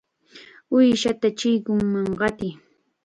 ¡Uushata chikunman qatiy!